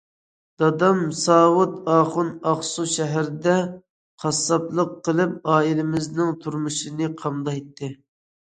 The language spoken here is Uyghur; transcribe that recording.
دادام ساۋۇت ئاخۇن ئاقسۇ شەھىرىدە قاسساپلىق قىلىپ ئائىلىمىزنىڭ تۇرمۇشىنى قامدايتتى.